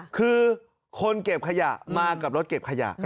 คือคนเก็บขยะมากับรถเก็บขยะ